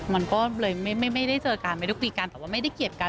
มันก็เลยไม่ได้เจอกันไม่ได้ตีกันแต่ว่าไม่ได้เกลียดกัน